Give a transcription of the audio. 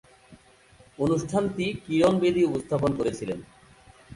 অনুষ্ঠানটি কিরণ বেদী উপস্থাপন করেছিলেন।